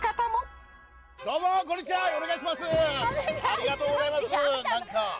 ありがとうございます。